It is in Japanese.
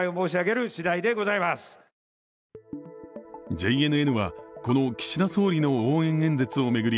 ＪＮＮは、この岸田総理の応援演説を巡り